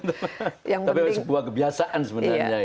tapi sebuah kebiasaan sebenarnya